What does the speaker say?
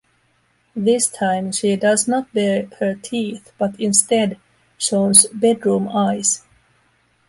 This time, she does not bear her teeth, but instead, shows 'bedroom eyes'.